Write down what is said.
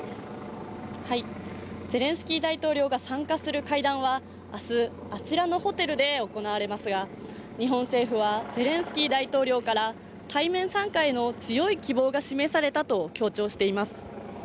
ゼレンスキー大統領が参加する会談は明日、あちらのホテルで行われますが、日本政府は、ゼレンスキー大統領から対面参加への強い希望が示されたと強調しています。